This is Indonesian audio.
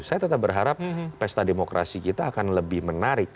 saya tetap berharap pesta demokrasi kita akan lebih menarik